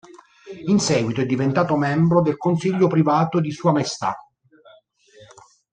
In seguito è diventato membro del Consiglio privato di sua maestà.